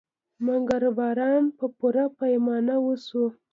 مګر باران په پوره پیمانه وشو.